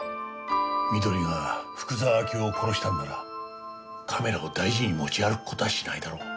美登里が福沢明夫を殺したのならカメラを大事に持ち歩く事はしないだろう。